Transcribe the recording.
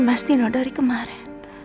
mas nina dari kemarin